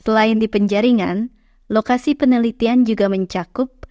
selain di penjaringan lokasi penelitian juga mencakup